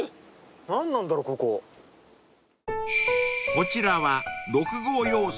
［こちらは］